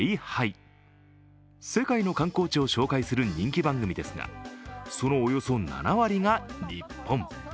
世界の観光地を紹介する人気番組ですが、そのおよそ７割が日本。